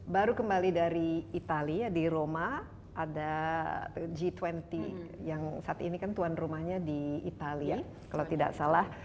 baru kembali dari italia di roma ada g dua puluh yang saat ini kan tuan rumahnya di italia kalau tidak salah